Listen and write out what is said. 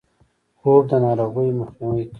خوب د ناروغیو مخنیوی کوي